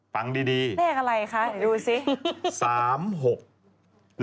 ฟังดีดีเลขอะไรคะดูสิ